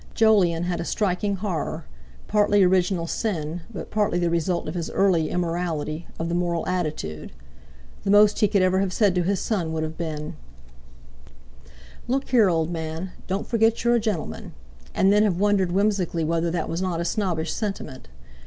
Jolyon had a striking horror—partly original sin, but partly the result of his early immorality—of the moral attitude. The most he could ever have said to his son would have been: "Look here, old man; don't forget you're a gentleman," and then have wondered whimsically whether that was not a snobbish sentiment.